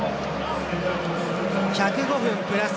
１０５分プラス